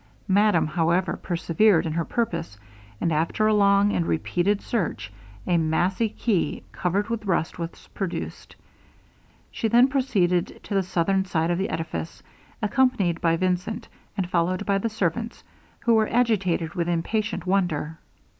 Madame, however, persevered in her purpose; and, after along and repeated search, a massey key, covered with rust, was produced. She then proceeded to the southern side of the edifice, accompanied by Vincent, and followed by the servants, who were agitated with impatient wonder.